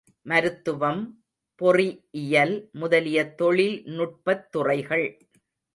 மருத்துவம், பொறி இயல் முதலிய தொழில்நுட்பத் துறைகள்.